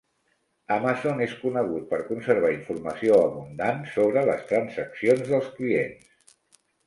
Amazon és conegut per conservar informació abundant sobre les transaccions dels clients.